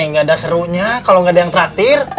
jajan teh gak ada serunya kalau gak ada yang terakhir